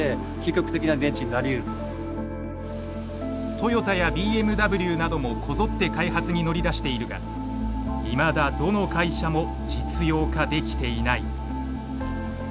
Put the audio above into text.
トヨタやＢＭＷなどもこぞって開発に乗り出しているがいまだどの会社も実用化できていない。